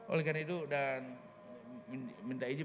oleh karena itu dan minta izin